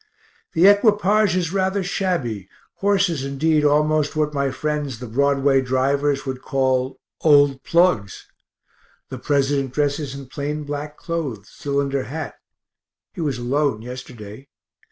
The equipage is rather shabby, horses indeed almost what my friends the Broadway drivers would call old plugs. The President dresses in plain black clothes, cylinder hat he was alone yesterday.